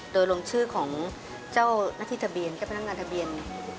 โดยลงชื่อของเจ้าหน้าที่ทะเบียนเจ้าพนักงานทะเบียน